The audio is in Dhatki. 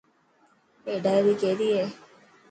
اي ڊائري ڪيري هي.